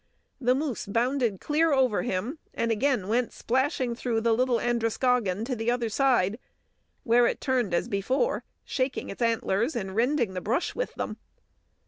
The moose bounded clear over him, and again went splashing through the Little Androscoggin to the other side, where it turned as before, shaking its antlers and rending the brush with them.